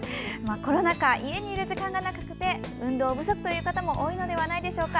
コロナ禍、家にいる時間が長くて運動不足という方も多いのではないでしょうか。